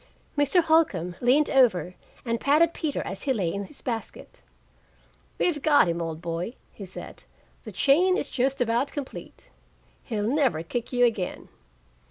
Mr. Holcombe leaned over and patted Peter as he lay in his basket. "We've got him, old boy," he said. "The chain is just about complete. He'll never kick you again."